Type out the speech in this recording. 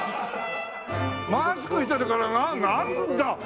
マスクしてるからなんだ！